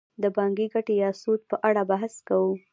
د بانکي ګټې یا سود په اړه بحث کوو